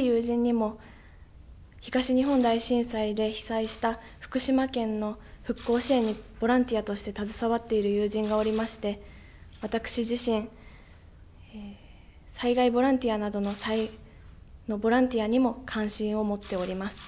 私の親しい友人にも東日本大震災で被災した福島県の復興支援ボランティアとして携わっている友人がおりまして私自身、災害ボランティアなどのボランティアにも関心を持っております。